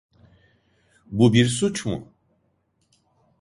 Bu bir suç mu?